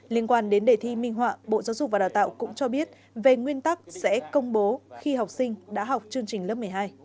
liên quan đến đề thi minh họa bộ giáo dục và đào tạo cũng cho biết về nguyên tắc sẽ công bố khi học sinh đã học chương trình lớp một mươi hai